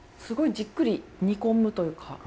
すごいじっくり煮込むというか。